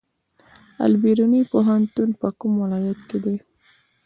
البیروني پوهنتون په کوم ولایت کې دی؟